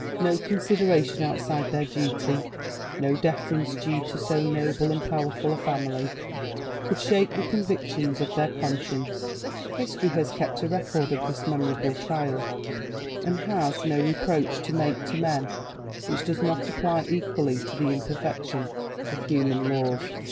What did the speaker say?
No consideration outside their duty, no deference due to so noble and powerful a family, could shake the convictions of their conscience. History has kept a record of this memorable trial; and has, no reproach to make to men which does not apply equally to the imperfection of human laws.